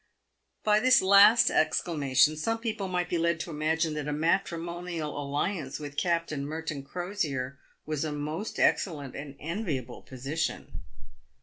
By this last exclamation, some people might be led to imagine that a matrimonial alliance with Captain Merton Crosier was a most ex cellent and enviable position.